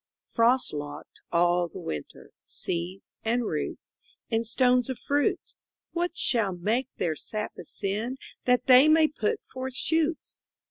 Frost locked all the winter, Seeds, and roots, and stones of fruits, What shall make their sap ascend That they may put forth shoots?